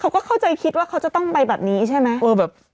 เขาก็เข้าใจคิดว่าเขาจะต้องไปแบบนี้ใช่ไหม